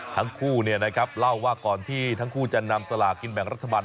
ทั้งคู่เล่าว่าก่อนที่ทั้งคู่จะนำสลากินแบ่งรัฐบาล